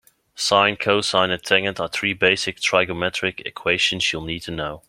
Sine, cosine and tangent are three basic trigonometric equations you'll need to know.